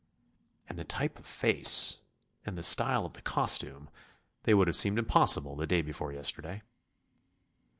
And the type of face, and the style of the costume! They would have seemed impossible the day before yesterday.